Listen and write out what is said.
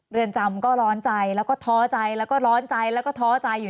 เรือนจำก็ร้อนใจแล้วก็ท้อใจแล้วก็ร้อนใจแล้วก็ท้อใจอยู่